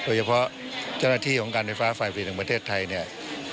เฉพาะเจ้าหน้าที่ของการไฟฟ้าฝ่ายผลิตแห่งประเทศไทยเนี่ย